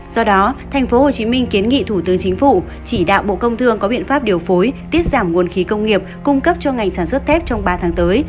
do đó tp hcm kiến nghị thủ tướng chính phủ chỉ đạo bộ công thương có biện pháp điều phối tiết giảm nguồn khí công nghiệp cung cấp cho ngành sản xuất thép trong ba tháng tới